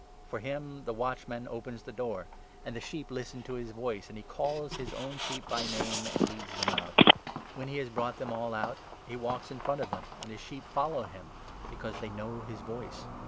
For him the watchman opens the door ; and the sheep 3 listen to his voice ; and he calls his own sheep by name, and leads them out. When he has brought them all out, he walks 4 in front of them, and his sheep follow him, because they know his voice.